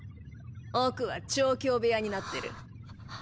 奥は調教部屋になってる。